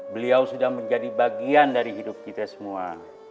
beliau sudah menjadi bagian dari hidup kita semua